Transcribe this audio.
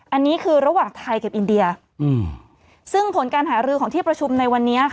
อันนี้คือระหว่างไทยกับอินเดียอืมซึ่งผลการหารือของที่ประชุมในวันนี้ค่ะ